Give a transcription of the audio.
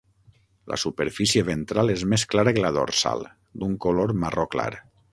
La superfície ventral és més clara que la dorsal, d'un color marró clar.